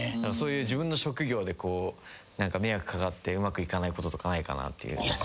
そういう自分の職業で迷惑掛かってうまくいかないこととかないかなと。